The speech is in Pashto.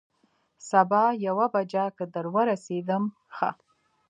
سبا یوه بجه که در ورسېدم، ښه.